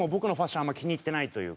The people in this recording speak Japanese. あんまり気に入ってないというか。